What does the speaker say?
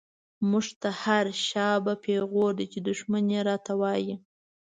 موږ ته هر” شا به” پيغور دی، چی دښمن يې را ته وايې